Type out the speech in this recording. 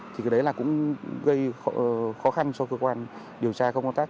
thì cái đấy là cũng gây khó khăn cho cơ quan điều tra không có tác